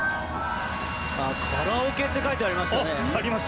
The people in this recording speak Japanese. カラオケって書いてありましたね。